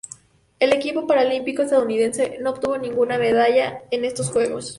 El equipo paralímpico estadounidense no obtuvo ninguna medalla en estos Juegos.